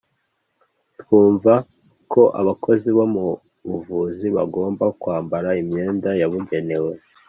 twumva ko abakozi bo mu buvuzi bagomba kwambara imyenda yabugenewe